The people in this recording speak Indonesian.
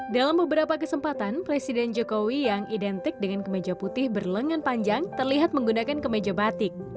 dalam beberapa kesempatan presiden jokowi yang identik dengan kemeja putih berlengan panjang terlihat menggunakan kemeja batik